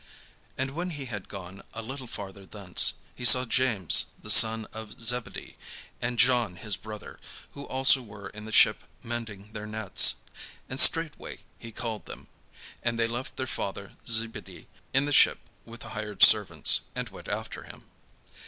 And when he had gone a little farther thence, he saw James the son of Zebedee, and John his brother, who also were in the ship mending their nets. And straightway he called them: and they left their father Zebedee in the ship with the hired servants, and went after him.